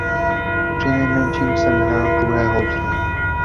Přinejlepším jsem hrál druhé housle.